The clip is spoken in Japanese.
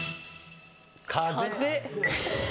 「風」